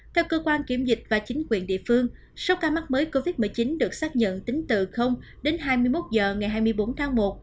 theo cơ quan kiểm dịch và chính quyền địa phương số ca mắc mới covid một mươi chín được xác nhận tính từ đến hai mươi một h ngày hai mươi bốn tháng một